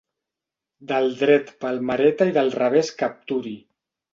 Del dret palmereta i del revés capturi.